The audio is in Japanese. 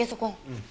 うん。